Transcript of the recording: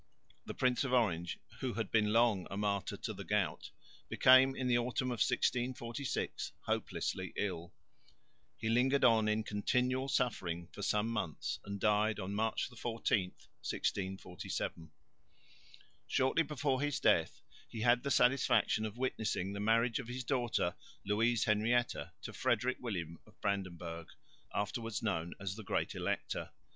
The Prince of Orange, who had been long a martyr to the gout, became in the autumn of 1646 hopelessly ill. He lingered on in continual suffering for some months and died on March 14, 1647. Shortly before his death he had the satisfaction of witnessing the marriage of his daughter Louise Henrietta to Frederick William of Brandenburg, afterwards known as the Great Elector.